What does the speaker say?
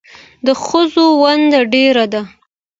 د ښځو ونډه ډېره ده